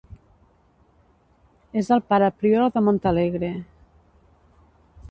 És el pare prior de Montalegre.